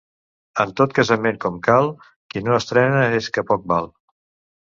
En tot casament com cal, qui no estrena és que poc val.